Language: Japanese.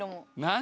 何？